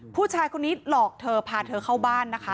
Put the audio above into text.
ผู้ชายคนนี้หลอกเธอพาเธอเข้าบ้านนะคะ